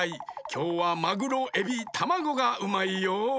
きょうはマグロエビタマゴがうまいよ。